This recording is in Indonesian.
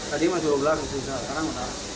tadi masih dua belas sekarang dua belas